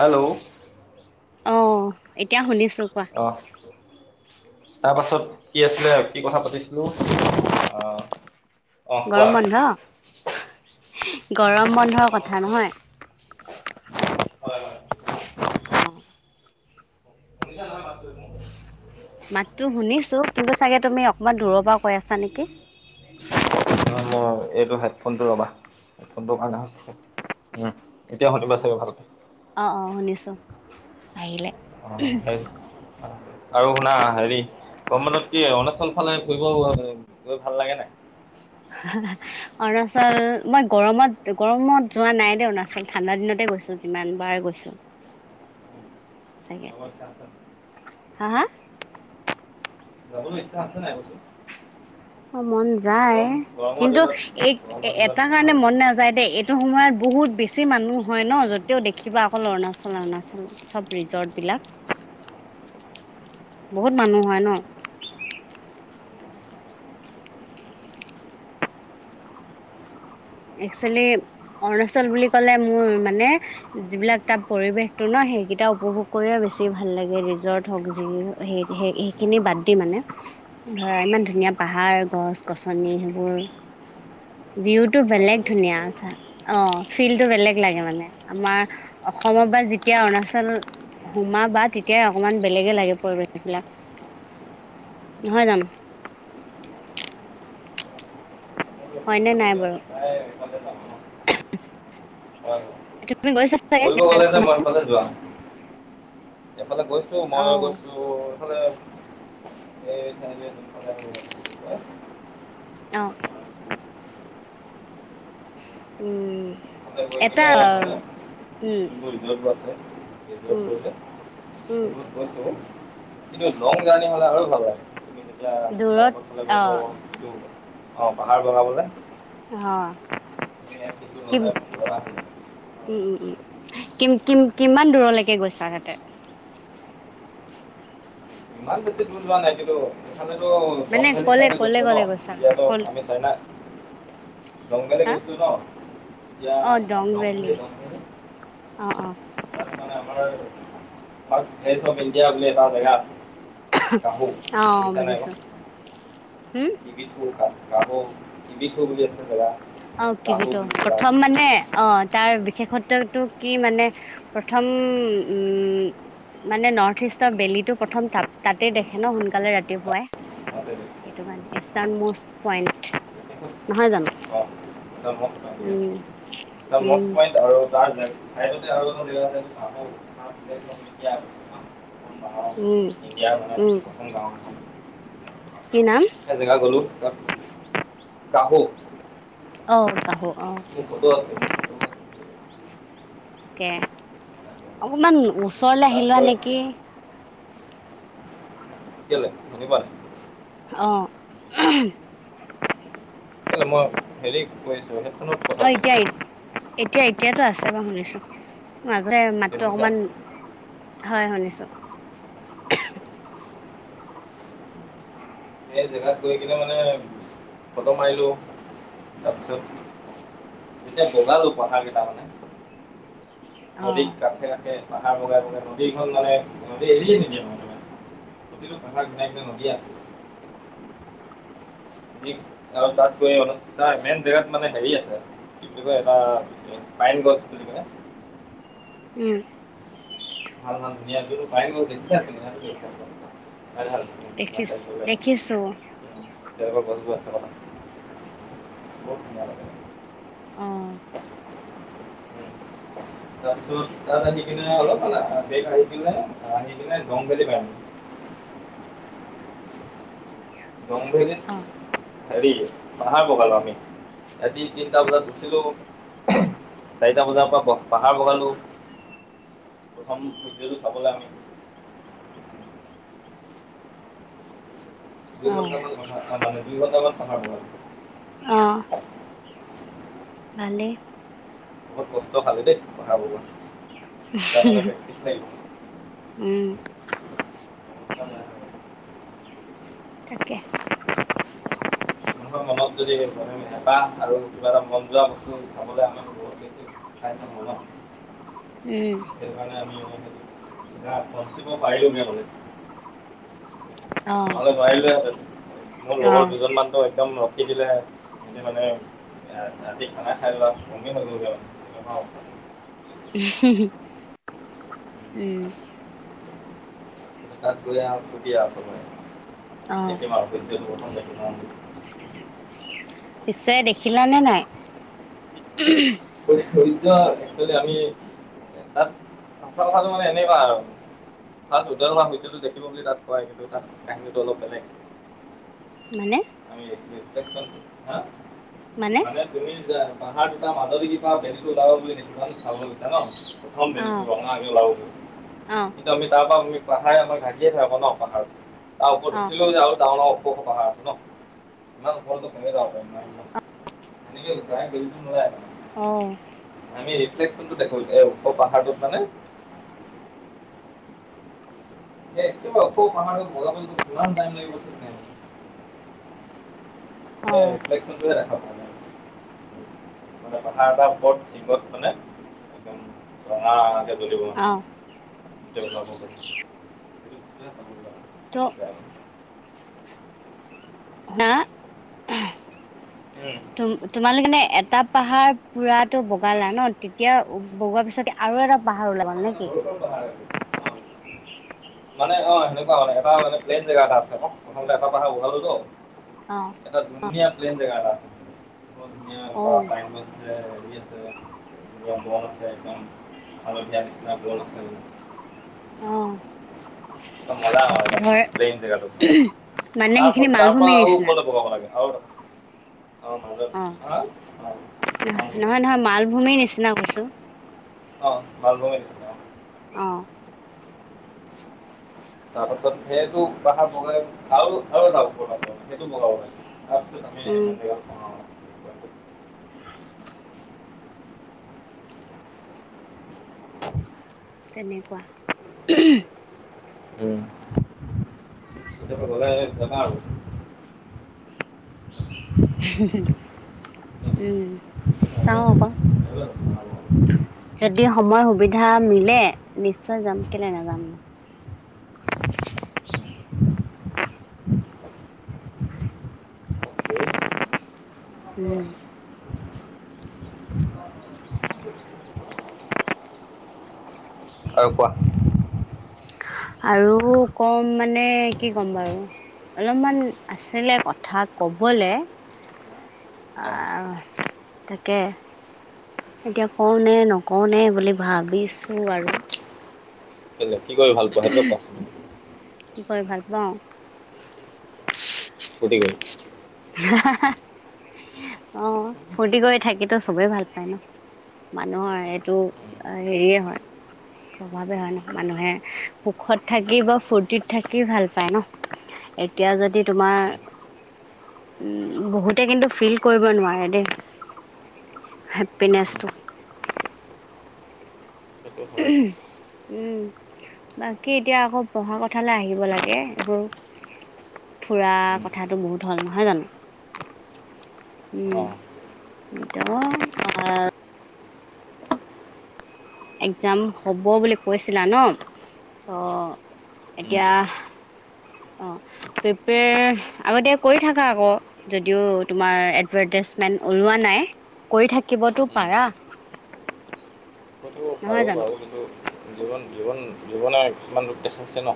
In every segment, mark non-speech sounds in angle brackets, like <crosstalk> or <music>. Hello. অঁ, এতিয়া শুনিছো কোৱা? তাৰপাছত, কি আছিলে? কি কথা পাতিছিলোঁ অঁ! গৰম বন্ধ, গৰম বন্ধ কথা নহয়। হয়, হয়। অঁ। ম <unintelligible> মাতটো শুনিছো, কিন্তু চাগে তুমি অকমান দূৰৰ পা কৈ আছা নেকি? অ', মই এইটো হেডফোনটো ৰ'বা হেডফোনটোৰ কাৰণে হৈছে। উম, এতিয়া শুনিবি চাগে ভালকে। অঁ অঁ শুনিছোঁ, আহিলে। অঁ সেই আৰু শুনা হেৰি গৰম বন্ধত কি অৰুণাচল ফালে ফুৰিব গৈ ভাল লাগে নাই? হ <unintelligible> অৰুণাচল মই গৰমত, গৰমত যোৱা নাই দেই অৰুণাচল ঠাণ্ডা দিনতে গৈছো যিমান বাৰ গৈছো। চাগে, যাবৰ ইচ্ছা আছে নাই? হাঁ হাঁ? যাবলে ইচ্ছা আছে নাই কৈছো? অ' মন যায় কিন্তু এই গৰমৰ দিনত এটা ভাল কাৰণে মন নাযায় দেই‌ এ এইটো সময়ত বহুত বেছি মানুহ হয় ন', যতেও দেখিবা অকল অৰুণাচল অৰুণাচল চব ৰিজৰ্ট বিলাক। <unintelligible> বহুত মানুহ হয় ন'? একচুৱেলি অৰুণাচল বুলি কলে, মোৰ মানে যিবিলাক তাত পৰিৱেশটো ন' সেইকেইটা উপভোগ কৰিয়ে বেছি ভাল লাগে ৰিজৰ্ট হওক যিয়ে সেই সেই সেইখিনি বাদ দি মানে। ধৰা, ইমান ধুনীয়া পাহাৰ, গছ গছনি সেইবোৰ ভিউ টো বেলেগ ধুনীয়া চা অঁ ফিলটো বেলেগ লাগে মানে আমাৰ অসমৰ পা যেতিয়া অৰুণাচল সোমাবা তেতিয়াই অকমান বেলেগে লাগে পৰিৱেশ বিলাক, নহয় জানো? হয়নে নাই বাৰু? <unintelligible> <unintelligible> তুমি গৈছা চাগে ফুৰিব গ'লে যে মই সেফালে যাওঁ। এইফালে গৈছো, অ মই গৈছো এইফালে এই চাইদে যোনফালে হলো মানে‌, কি কয় অঁ উম তে গৈ এটা কিনে মানে উম সেইবোৰ ৰিৰ্জতবোৰ আছে, ৰিৰ্জট উম বোৰ যে উম সেইবোৰত গৈছো, কিন্তু লং জাৰ্ণি হ'লে আৰু ভাল লাগে। এতিয়া দূৰত বাইকত গলে মানে অ', ত' এটো অঁ পাহাৰ বগাবলে কি হ? সেই ফিলটো ললে পগলা হবা উম উম উম, কিম কিম কিমান দূৰলেকে গৈছা তাতে? ইমান বেছি দূৰ যোৱা নাই, কিন্তু এইফালেতো দঙ মানে ভেলী ক'লে চাইডে ক'লে গৈছিলো ক'লে ন', গৈছা তেতিয়াতো ক'ল আমি চাইনা দঙ ভেলী হা গৈছিলো ন' এতিয়া অ', দং দঙ ভেলী গৈছিলো যে অ', অ', তাত মানে আমাৰ, ৰ্ফাষ্ট ভিলেজ ইণ্ডিয়া বুলি জাগা এটা আছে। কাহু অঁ বুজিছো হুম কিবিঠো, কাবো কিবিঠো বুলি আছে জেগা। অঁ কাহু কিবিটো, বুলি জেগা প্ৰথম আছে মানে অঁ, তাৰ বিশেষত্বটো কি মানে, প্ৰথম উম মানে নৰ্থ ইষ্টৰ বেলিটো প্ৰথম তাত তাতেই উম, দেখে ন সোনকালে তাত ৰাতিপুৱাই তাতে দে। সেইটো মানে অঁ, ইষ্টাৰ্ণ নৰ্থ পইণ্ট, নহয় জানোঁ। <unintelligible> উম এটা নৰ্থ উম, পইণ্ট আৰু তাৰ চাইডতে আৰু এটা দিয়া আছে সেইটো পাহো উম, <unintelligible> ইণ্ডিয়াৰ মানে উম, প্ৰথম গাঁওখন, কি নাম? এটা জেগা গলোঁ, তাত কাহো অ কাহো অ মোৰ ফটো আছে, আছে কে, অকমান ওচৰলে তাত আহি লোৱা গৈ নেকি কেলে শুনি পোৱা নাই। অ ঊম কেলে মই হেৰিক কৈ আছো হেডফোনত কথা অ পাতি এতিয়া আছোঁ এতিয়া, এতিয়াতো আছে বাও শুনিছোঁ। মাজতে এতিয়া মাতটো শুনিছা অকমান, হয় শুনিছোঁ। সেই জেগাত গৈ কিনে মানে ফটো মাৰিলোঁ, তাৰপিছত। যেতিয়া বগালো পাহাৰ কেইটা মানে, অ নদীৰ কাষে কাষে- পাহাৰ বগাই বগাই, নদীখন মানে নদী এৰিয়ে নিদিয়ে মানে। প্ৰতিটো পাহাৰ কিনাই কিনাই নদী আছে। আমি অ তাতকৈ অনুষ্ঠিত, মেইন জেগাত মানে হেৰি আছে। কি বুলি কয় এটা পাইন গছ বুলি কিনে। উম ভাল মানে ধুনীয়া তুমিটো পাইন গছ দেখিছা, <unintelligible> ঠাই ভাল আছে দেখিছো বোলে। দেখিছো তেনেকুৱা গছবোৰ আছে মানে, বৰ ধুনীয়া লাগে। অ <unintelligible> তাৰপিছত তাত আহি কিনে অলপ পালা আহি কিনে, আহি কিনে জংঘুলী পালোঁহি। জংঘুলীনে অ হেৰি পাহাৰ বগালো আমি, ৰাতি তিনটা বজাত উঠিলোঁ। চাৰিটা বজাৰ পৰা পাহাৰ বগালোঁ। প্ৰথম ভিডিঅ'টো চাবলে আমি, দুই অ ঘণ্টামান কথা, মানে দুই ঘণ্টামান পাহাৰ বগালো অ ভালেই, বহুত কষ্ট খালোঁ দেই, পাহাৰ বগোৱা। তাৰ কাৰণে প্ৰেক্টিছ লাগিব। মাথা উম বেয়া কৰি দিয়ে। তাকে, উম মানুহৰ মনত যদি মানে হেঁপাহ আৰু কিবা এটা মন যোৱা বস্তু চাবলে আমি সেইটোয়ে চাই আছিলো ন উম সেইকাৰণে আমি <unintelligible> ওপৰত উঠিব পাৰিম আগলৈ। অ আৰু নোৱাৰিলোঁহেতেন, মোৰ অ লগৰ দুজনমান ত একদম ৰ খিদিলে, সিহঁতি মানে আ আজি খানা খাই লোৱা গমেই হৈ গ'ল গে <unintelligible> উ হুহু উম। তাত গৈ আও শুবি আও অ <unintelligible> দেখিম আৰু <unintelligible> পিছে দেখিলানে নাই উ উহু? <unintelligible> এক্সুৱেলি আমি তাত সঁচা কথাটো মানে এনেকুৱা আৰু। তাত গোটেই সোপাই ভিদিঅটো দেখিব বুলি তাত থৈ আহিছিলোঁ কিন্তু তাত কাহিনীটো অলপ বেলেগ। মানে? <unintelligible> মানে তুমি যে পাহাৰ দুটাৰ মাজদিকি <unintelligible> বেলিটো ওলাব বুলি দেখি চা চাব লৈছা ন, প্ৰথম অ বেলিটো ৰং তা আমি ওলাও অ কিন্তু আমি তাৰ পৰা আমি পাহাৰে আমাক ঢাকিয়ে থৈ আক ন পাহাৰত। তাৰ ওপৰত অ দেখিলোঁ যে আৰু ডাঙৰ ডাঙৰ <unintelligible> পাহাৰ আছে। ন, ইমান ওপৰলে কেনেকৈ যাওঁ <unintelligible> অঁ। আমি ৰিফ্লেকশনটো দেখো এ ওখ পাহাৰটোত মানে। এ একেবাৰে ওপৰৰ পাহাৰটোত বগাবলে কিমান টাইম লাগিব ঠিক নাই মানে। অ অ এ ৰিফ্লেকচনটোহে দেখা পাই মানে। মানে পাহাৰ এটাৰ উপৰত যিগত মানে একদম ৰঙা ৰঙাকে জ্বলিব মানে অ <unintelligible> ত হা, আহ উম। তুম তোমালোকে মানে এটা পাহাৰ পুৰাটো বগালা ন তেতিয়া বগোৱাৰ পিছতে আৰু এটা পাহাৰ ওলাবা এটা সৰু সৰু পাহাৰ <unintelligible> মানে অ সেনেকুৱাই মানে এটা মানে প্লেন জেগা এটা আছে আকৌ প্ৰথম এটা পাহাৰ বগালো ত অ। এটা ধুনীয়া প্লেন জেগা এটা আছে, বৰ ধুনীয়া অ <unintelligible> হেৰী আছে। কিবা বন আছে একদম হালধীয়া নিচিনা বন আছে মানে। অ। একদম ধৰ <unintelligible> প্লেন জেগাটো। মানে তাৰ প সেইখিনি তাৰ পৰা মালভূমিৰ আৰু নিচিনা ওপৰলে বগাব লাগে আৰু অ মাজত অ, হা অ নহয়, মালভূমি নহয় নহয় মালভূমিৰ নিচিনা বস্ত অ মালভূমিৰ নিচিনা অ। অঁ। <inaudible> তাৰ পাছত সেইটো পাহাৰ বগাইও আৰু আৰু এটা ওপৰত পাই পাছত সেইটো বগাব লাগে। আমিটো যামেই উম মানে <inaudible> তেনেকুৱা উহুম। উম <unintelligible> গলে যাবা আৰু। হুহুহু উম চাও আকৌ। <unintelligible> যদি সময় সুবিধা মিলে নিশ্চয় যাম কেলে নাযাম নু। উম। আৰু কোৱা? আৰু ক'ম মানে কি ক'ম বাৰু? অলপমান আছিলে কথা ক'বলে। অঁ আহ তাকে এতিয়া কওঁ নে নকওঁ নে বুলি ভাবিছো আৰু। কেলে কি কৰি ভাল পোৱা সেইটো কোৱাচোন? কি কৰি ভাল পাওঁ? ফুৰ্টি কৰি অ', ফূৰ্তি কৰি থাকিতো চবেই ভাল পায় ন? মানুহৰ এইটো হেৰিয়ে হয়। স্বভাৱে হয় ন, মানুহে সুখত থাকি বা ফূুৰ্তিত থাকি ভাল পায় ন? এতিয়া যদি তোমাৰ উম, বহুতে কিন্তু ফিল কৰিব নোৱাৰে দেই, হেপিনেচটো। সেইটো হয় উম। বাকী এতিয়া আকৌ পঢ়া কথালৈ আহিব লাগে। এইবোৰ ফুৰা কথাটো বহুত হ'ল নহয় জানো? উম, অঁ একদম পঢ়া এক্সাম হ'ব বুলি কৈছিলা ন? ত' এতিয়া অ', প্ৰিপেয়াৰ আগতিয়া কৰি থাকা আকৌ। যদিও তোমাৰ এডভাৰটাইজমেন্ট ওলোৱা নাই কৰি থাকিবতো পাৰা। সেইটো পাৰো নহয় জানো বাৰু, কিন্তু জীৱন জীৱন জীৱনে কিছুমান ৰূপ দেখাইছে ন?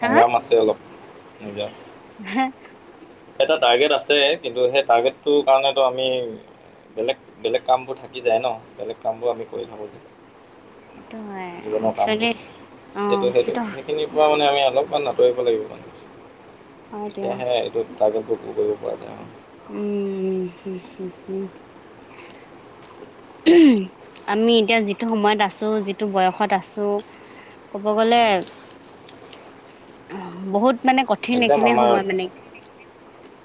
হা সংগ্ৰাম আছে অলপ নিজৰ। হে'। এটা টাৰ্গেট আছে, কিন্তু সেই টাৰ্গেটটো কাৰণেটো আমি বেলেগ বেলেগ কাম বোৰ থাকি যায় ন? বেলেগ কাম বোৰ আমি কৰি থাকো যে। সেইটো হয় জীৱনৰ কামবোৰ, একচুৱেলি সেইটো সেইটো। সেইখিনি পৰা মানে আমি অলপমান আতৰিব লাগিব মানুহবোৰ, হয় দিয়া তেতিয়াহে টাৰ্গেট বোৰ পুৰ কৰিব পৰা যায় অ'। উম, হু, হু, হুম। আমি এতিয়া যিটো সময়ত আছো যিটো বয়সত আছো। ক'ব গ'লে বহুত মানে কঠিন একদম এইখিনিয়ে আমাৰ সময় মানে,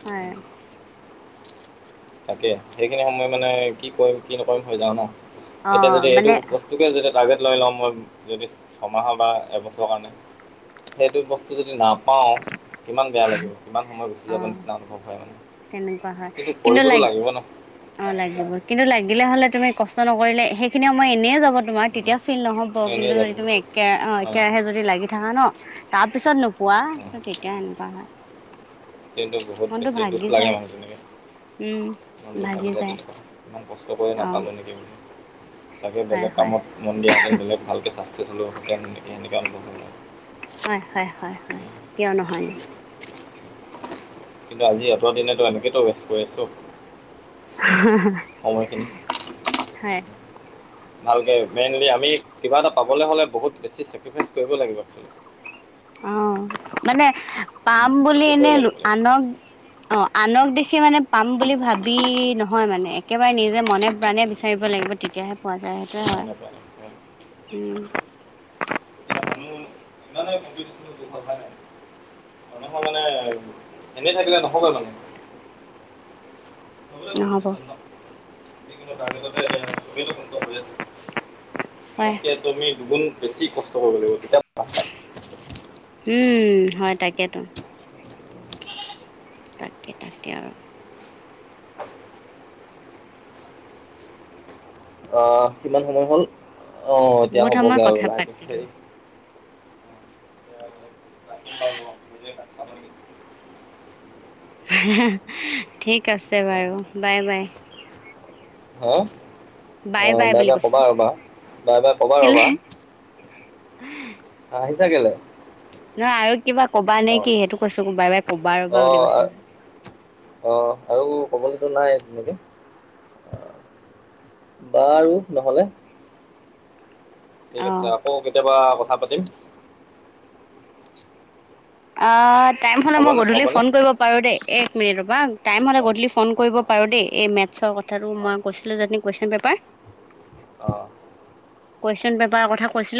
হয়। তাকে, সেইখিনি সময় মানে কি কৰিম কি নকৰিম হৈ যাওঁ ন। এতিয়া অ' যদি এইটো মানে বস্তু কে যদি টাৰ্গেট লৈ লওঁ মই যদি ছমাহৰ বা এবছৰৰ কাৰণে, সেইটো বস্তু যদি নাপ পাওঁ, কিমান বেয়া লাগিব কিমান সময় গুচি যাব নিচিনা অনুভৱ হয় মানে। কেনেকুৱা হয়, কিন্তু কৰিবতো লাগ লাগিব ন অ' লাগিব, কিন্তু লাগিলে হ'লে তুমি কষ্ট নকৰিলে সেইখিনি সময় এনেই যাব। তোমাৰ তেতিয়া ফিল নহ'ব, কিন্তু এনেই যাব যদি তুমি একে অ' অঁ একেৰাহে অঁ যদি লাগি থাকা ন তাৰ পিছত ন পোৱা, তেতিয়া সেনেকুৱা হয়। কিন্তু বহুত মনটো বেছি দুখ ভাগি লাগে যায় মানুহ জনলৈ, উম মনটো ভাগি যায় তেনেকুৱা হ'লে। ইমান কষ্ট কৰি অ নাপালোঁ নেকি, চাগে হয় বেলেগ হয় কামত মন দিয়া হেঁতেন বেলেগ ভালকৈ চাষ্ট ত <unintelligible> হয়, হয়, হয়, হয়। কিয় নহয়নো। কিন্তু আজি অত দিনেতো এনেকেতো ৱেষ্ট কৰি আছোঁ। সময়খিনি হয়। ভালকে মেইনলি আমি কিবা এটা পাবলে হ'লে বহুত বেছি চেক্ৰিফাইচ কৰিব লাগিব খালি। অঁ' মানে পাম বুলি উঠি পৰি এনেই লো লাগিব লাগিব আনক- অঁ' আনক দেখি মানে পাম বুলি ভাবি নহয়, মানে একেবাৰে নিজে মনে প্ৰাণে বিচাৰিব লাগিব। তেতিয়াহে পোৱা যায়, সেইটোয়ে হয়, কাৰণে পোৱা নাই উম। এতিয়া মানুহ ইমানে <unintelligible> মানুহে মানে এনেই থাকিলে নহব মানে। চবতে নহ'ব কম্পিটিশ্যন ন, কিন্তু তাৰ ভিতৰতে এতিয়া চবেইটো কষ্ট কৰি আছে। হয় তাতকে তুমি দুগুণ বেছি কষ্ট কৰিব লাগিব। তেতিয়া- উম, হয় তাকেতো, তাকে তাকে আৰু। অঁ কিমান সময় হল? অঁ এতিয়া বহুত সময় হ'বগে আৰু কথা লাহেকে। পাতিলো হেৰি- ৰাখিম বাৰু অঁ। <unintelligible> হেঁ হেঁ ঠিক আছে বাৰু বাই বাই। হাঁ? অঁ বাই বাই কবা ৰ'বা, বাই বাই কবা কেলে ৰ'বা। <unintelligible> হাঁহিছা কেলে? নহয় আৰু কিবা কবা নে অ কি সেইটো কৈছো ক। বাই বাই ক'বা ৰবা বুলি কৈছা যে। অঁ আৰু কবলেতো নাই তেনেকে, অঁ। বাৰু নহলে। ঠিক অ আছে, আকৌ কেতিয়াবা কথা পাতিম। অঁ টাইম হ'লে মই হ'বনে গধূলি হ'বনে ফোন কৰিব পাৰোঁ দেই। এক মিনিট ৰবা- টাইম হ'লে অ গধূলি ফোন কৰিব পাৰো দেই, এই মেথছৰ কথাটো অ মই কৈছিলো যে এদিন কুৱেশন পেপাৰ- অঁ' কুৱেশ্যন পেপাৰৰ কথা কৈছিলো।